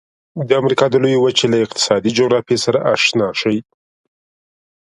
د امریکا د لویې وچې له اقتصادي جغرافیې سره آشنا شئ.